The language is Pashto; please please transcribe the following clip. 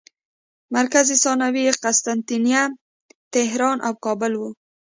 مرکز ثانوي یې قسطنطنیه، طهران او کابل وو.